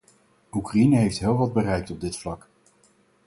Oekraïne heeft heel wat bereikt op dit vlak.